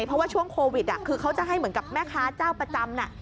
เพราะว่าช่วงโควิดคือเขาจะให้เหมือนกับแม่ค้าเจ้าประจำ